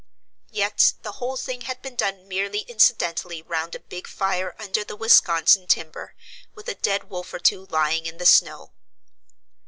Yet the whole thing had been done merely incidentally round a big fire under the Wisconsin timber, with a dead wolf or two lying in the snow.